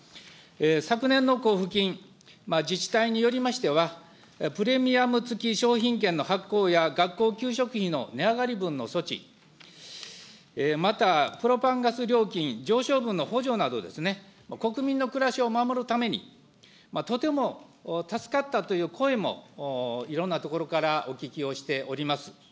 昨年の交付金、自治体によりましては、プレミアム付き商品券の発行や学校給食費の値上がり分の措置、またプロパンガス料金上昇分の補助など、国民の暮らしを守るために、とても助かったという声もいろんな所からお聞きをしております。